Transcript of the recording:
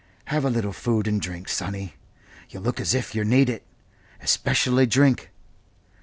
"Have a little food and drink, sonny. You look as if yer need it especially drink.